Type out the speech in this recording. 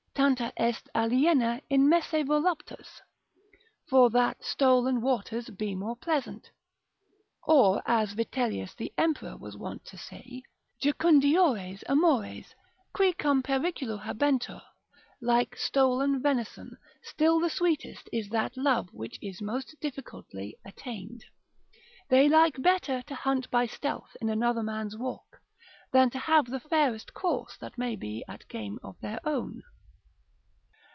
—tanta est aliena in messe voluptas, for that stolen waters be more pleasant: or as Vitellius the emperor was wont to say, Jucundiores amores, qui cum periculo habentur, like stolen venison, still the sweetest is that love which is most difficultly attained: they like better to hunt by stealth in another man's walk, than to have the fairest course that may be at game of their own.